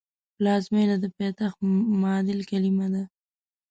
پلازمېنه د پایتخت معادل کلمه ده